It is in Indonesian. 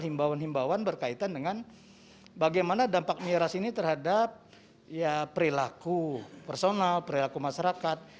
himbauan himbauan berkaitan dengan bagaimana dampak miras ini terhadap perilaku personal perilaku masyarakat